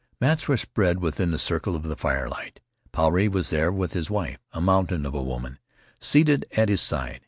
Mats were spread within the circle of the firelight. Puarei was there, with his wife — a mountain of a woman — seated at his side.